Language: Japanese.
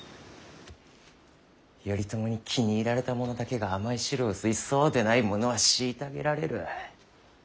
頼朝に気に入られた者だけが甘い汁を吸いそうでない者は虐げられる。